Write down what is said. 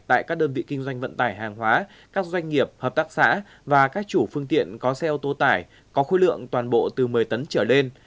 tại các đơn vị kinh doanh vận tải hàng hóa các doanh nghiệp hợp tác xã và các chủ phương tiện có xe ô tô tải có khối lượng toàn bộ từ một mươi tấn trở lên